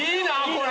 これ。